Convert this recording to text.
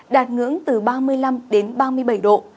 đạt ngưỡng từ ba mươi năm đến ba mươi bảy độ